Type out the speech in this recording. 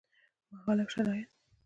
مهال او شرايط: